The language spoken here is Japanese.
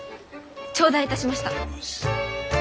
頂戴いたしました！